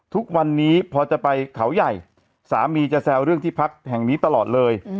ทุกวันนี้พอจะไปเขาใหญ่สามีจะแซวเรื่องที่พักแห่งนี้ตลอดเลย